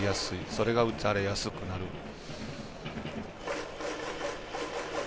それが打たれやすくなると。